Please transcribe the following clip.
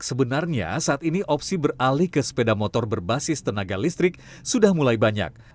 sebenarnya saat ini opsi beralih ke sepeda motor berbasis tenaga listrik sudah mulai banyak